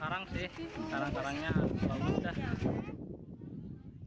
karang karangnya bagus dah